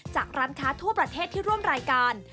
ร้านค้าทั่วประเทศที่ร่วมรายการ